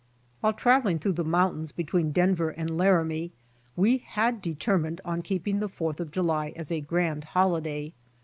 While traveling through the mountains between Denver and Laramie we had determined on keeping the Fourth of July as a grand holiday.